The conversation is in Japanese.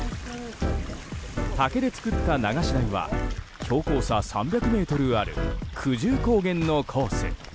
竹で作った流し台は標高差３００ｍある久住高原のコース。